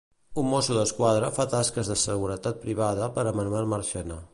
Un Mosso d'Esquadra fa tasques de seguretat privada per a Manuel Marchena.